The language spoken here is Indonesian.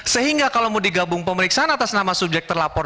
sehingga kalau mau digabung pemeriksaan atas nama subjek terlapor